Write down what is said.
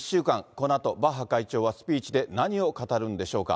このあと、バッハ会長はスピーチで何を語るんでしょうか。